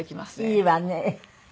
いいわね。